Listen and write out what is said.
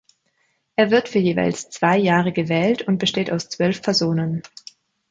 Er wird für jeweils zwei Jahre gewählt und besteht aus zwölf Personen.